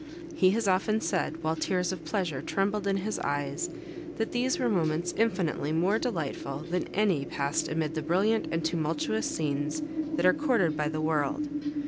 He has often said, while tears of pleasure trembled in his eyes, that these were moments infinitely more delightful than any passed amid the brilliant and tumultuous scenes that are courted by the world.